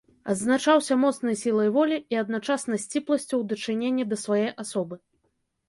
Адзначаўся моцнай сілай волі і адначасна сціпласцю у дачыненні да свае асобы.